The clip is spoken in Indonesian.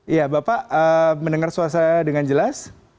iya bapak mendengar suasana dengan jelas